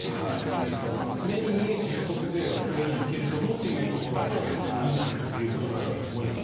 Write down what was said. ですから、目に見えて所得税は増えないけれどもというところになるということだと思います。